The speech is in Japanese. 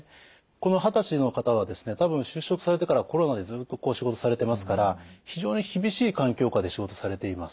この二十歳の方はですね多分就職されてからコロナでずっと仕事されてますから非常に厳しい環境下で仕事されています。